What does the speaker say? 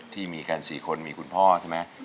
ที่มีกัน๔คนมีคุณพ่อใช่ไหม